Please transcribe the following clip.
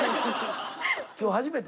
今日初めて？